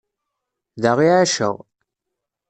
Da i ɛaceɣ.